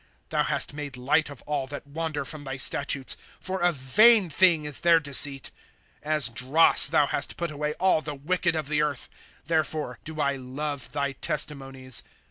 * Thou hast made light of all that wander from thy statutes ; For a vain thing is their deceit. * As dross thou hast put away all the wicked of the earth ; Therefore do I love thy testimonies.